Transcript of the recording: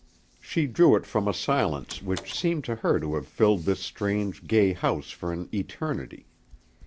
She drew it from a silence which seemed to her to have filled this strange, gay house for an eternity.